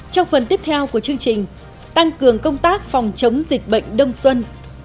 trong phần tiếp theo của chương trình tăng cường công tác phòng chống dịch bệnh đông xuân